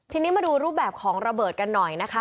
ทีนี้มาดูรูปแบบของระเบิดกันหน่อยนะคะ